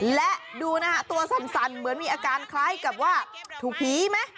และดูนะฮะตัวสั่นเหมือนมีอาการคล้ายกับว่าถูกผีไหม